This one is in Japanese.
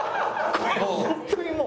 ホントにもう！